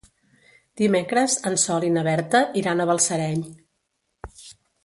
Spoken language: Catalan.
Dimecres en Sol i na Berta iran a Balsareny.